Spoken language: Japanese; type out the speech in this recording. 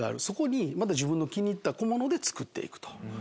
そこにまた自分の気に入った小物で作って行くと。